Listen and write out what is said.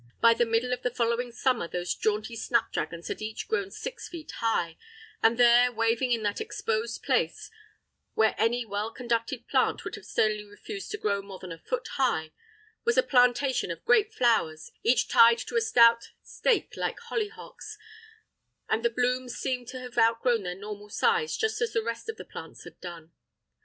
By the middle of the following summer those jaunty snapdragons had each grown six feet high, and there, waving in that exposed place, where any well conducted plant would have sternly refused to grow more than a foot high, was a plantation of great flowers, each tied to a stout stake like hollyhocks, and the blooms seemed to have outgrown their normal size just as the rest of the plants had done.